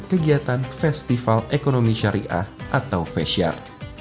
kegiatan festival ekonomi syariah atau fesyar